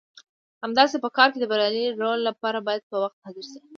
همداسې په کار کې د بریالي رول لپاره باید په وخت حاضر شئ.